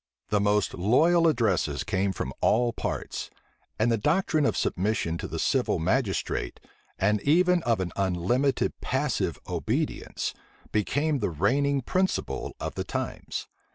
The most loyal addresses came from all parts; and the doctrine of submission to the civil magistrate, and even of an unlimited passive obedience, became the reigning principle of the times.